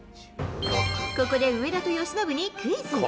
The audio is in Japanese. ここで上田と由伸にクイズ。